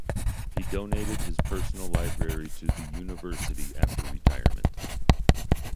He donated his personal library to the University after retirement.